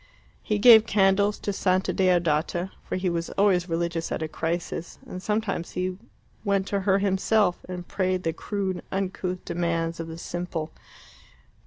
He gave candles to Santa Deodata, for he was always religious at a crisis, and sometimes he went to her himself and prayed the crude uncouth demands of the simple.